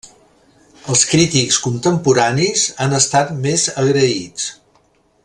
Els crítics contemporanis han estat més agraïts.